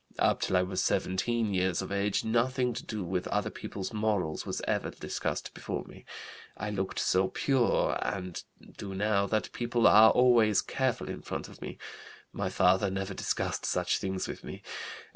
Up till I was 17 years of age nothing to do with other people's morals was ever discussed before me. I looked so pure, and do now, that people are always careful in front of me. My father never discussed such things with me.